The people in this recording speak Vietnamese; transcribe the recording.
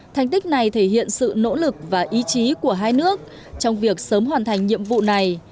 thành tích này thể hiện sự nỗ lực và ý chí của hai nước trong việc sớm hoàn thành nhiệm vụ này